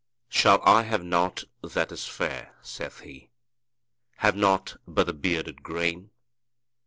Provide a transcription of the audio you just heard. ``Shall I have nought that is fair?'' saith he; ``Have nought but the bearded grain?